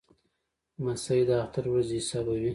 لمسی د اختر ورځې حسابوي.